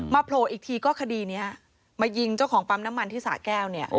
โผล่อีกทีก็คดีนี้มายิงเจ้าของปั๊มน้ำมันที่สาแก้วเนี่ย